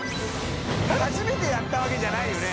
初めてやったわけじゃないよね？